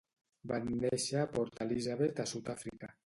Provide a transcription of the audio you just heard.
Van néixer a Port Elisabeth a Sud-àfrica.